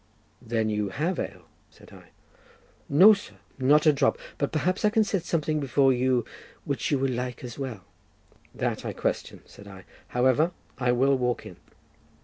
"Then you have ale?" said I. "No, sir; not a drop; but perhaps I can set something before you which you will like as well." "That I question," said I; "however, I will walk in."